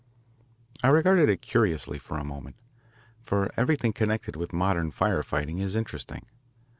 I regarded it curiously for a moment, for everything connected with modern fire fighting is interesting.